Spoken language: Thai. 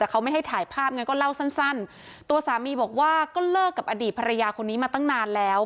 แต่เขาไม่ให้ถ่ายภาพไงก็เล่าสั้นสั้นตัวสามีบอกว่าก็เลิกกับอดีตภรรยาคนนี้มาตั้งนานแล้ว